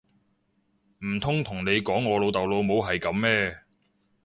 唔通同你講我老豆老母係噉咩！